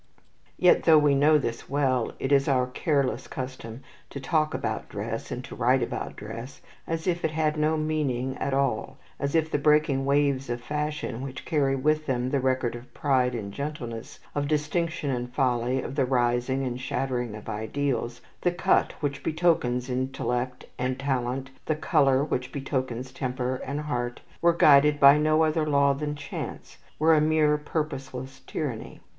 Yet though we know this well, it is our careless custom to talk about dress, and to write about dress, as if it had no meaning at all; as if the breaking waves of fashion which carry with them the record of pride and gentleness, of distinction and folly, of the rising and shattering of ideals, "the cut which betokens intellect and talent, the colour which betokens temper and heart," were guided by no other law than chance, were a mere purposeless tyranny.